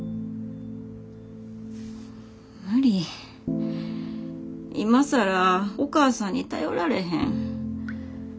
無理今更お母さんに頼られへん。